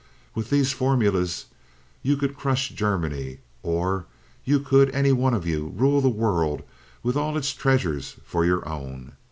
With these formulas you could crush Germany, or you could, any one of you, rule the world, with all its treasures for your own.